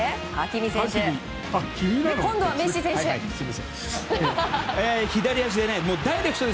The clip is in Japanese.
今度はメッシ選手！